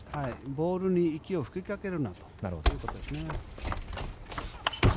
ボールに息を吹きかけるなということですね。